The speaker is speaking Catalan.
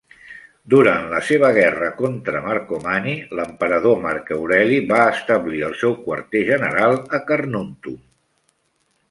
Durant la seva guerra contra Marcomanni, l"emperador Marc Aureli va establir el seu quarter general a Carnuntum.